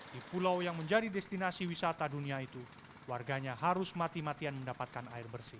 di pulau yang menjadi destinasi wisata dunia itu warganya harus mati matian mendapatkan air bersih